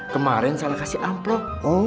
kemarin salah kasih amplok